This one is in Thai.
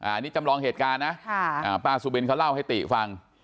อันนี้จำลองเหตุการณ์นะป้าสุบินเขาเล่าให้ติฟัง